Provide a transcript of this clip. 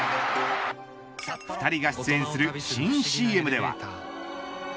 ２人が出演する新ＣＭでは。